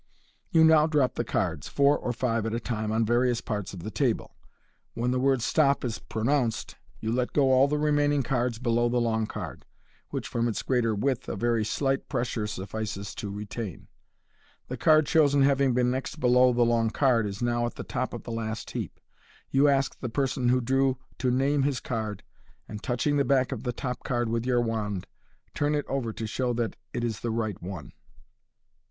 You now drop the cards, four or five at a time, on various parts of the table. When the word " stop " is pro nounced you let go all the remaining cards below the long card, which, from its greater width, a very slight pressure suffices to retain. The card chosen having been next below the long card, is now at the top of the last heap. You ask the person who drew to name his card, and, touching the back of the top card with your wand, turn it over to show that it is the right one.